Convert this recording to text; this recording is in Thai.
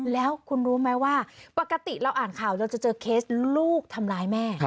แล้วคุณรู้ไหมว่าปกติเราอ่านข่าวเราจะเจอเคสลูกทำร้ายแม่